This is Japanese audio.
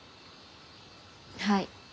はい。